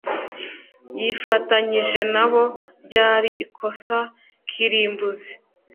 yifatanyije nabo ryari ikosa kirimbuzi